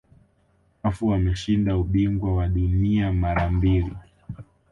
cafu ameshinda ubingwa wa dunia mara mbili